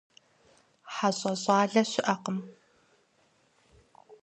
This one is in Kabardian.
ХьэщӀэ щӀалэ щыӀэкъым.